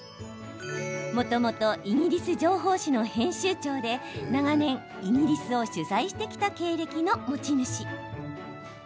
もともとイギリス情報誌の編集長で長年、イギリスを取材してきた経歴の持ち主。